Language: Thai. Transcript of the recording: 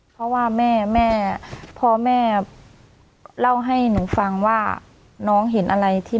เพราะว่าแม่แม่พ่อแม่เล่าให้หนูฟังว่าน้องเห็นอะไรที่